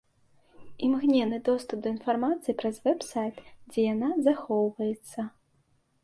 Імгненны доступ да інфармацыі праз вэб-сайт, дзе яна захоўваецца.